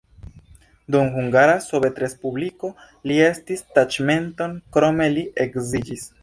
Dum Hungara Sovetrespubliko li estris taĉmenton, krome li edziĝis.